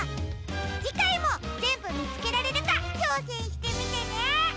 じかいもぜんぶみつけられるかちょうせんしてみてね！